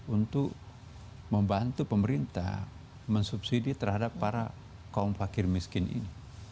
untuk membantu pemerintah mensubsidi terhadap para kaum pakkir miskin ini